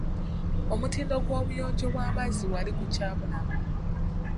Omutindo gw'obuyonjo bw'amazzi wali gukyabulamu.